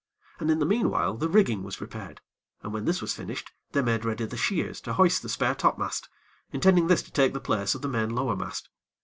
And in the meanwhile, the rigging was prepared, and when this was finished, they made ready the shears to hoist the spare topmast, intending this to take the place of the main lower mast.